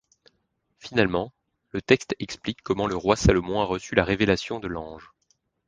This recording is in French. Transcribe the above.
Finalement, le texte explique comment le roi Salomon a reçu la révélation de l'ange.